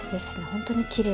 本当にきれい。